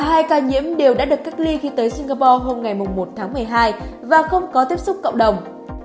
hai ca nhiễm đều đã được cắt ly khi tới singapore hôm một tháng một mươi hai và không có tiếp xúc cộng đồng